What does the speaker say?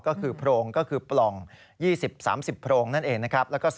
ก็คือโพรงก็คือปล่อง๒๐๓๐โพรงนั่นเองนะครับ